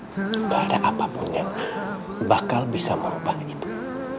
tak ada apapun yang bakal bisa mengubah itu